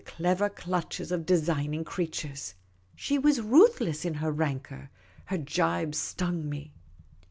clever clutches of designing creatures. She was ruthless in her rancour ; her gibes stung me.